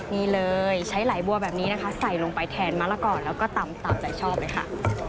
นี่เลยใช้ไหลบัวแบบนี้นะคะใส่ลงไปแทนมะละกอแล้วก็ตำตามใจชอบเลยค่ะ